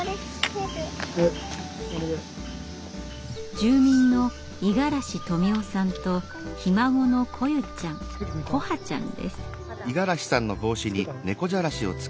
住民の五十嵐富夫さんとひ孫の來夢ちゃん來華ちゃんです。